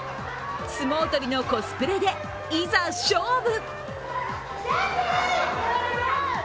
相撲取りのコスプレでいざ、勝負。